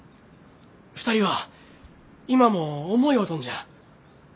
２人は今も思い合うとんじゃ。